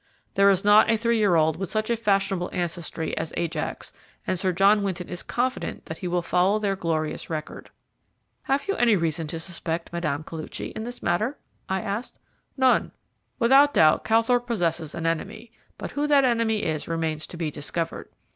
There is not a three year old with such a fashionable ancestry as Ajax, and Sir John Winton is confident that he will follow their glorious record." "Have you any reason to suspect Mme. Koluchy in this matter?" I asked. "None. Without doubt Calthorpe possesses an enemy, but who that enemy is remains to be discovered.